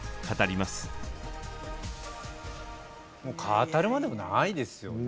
語るまでもないですよ。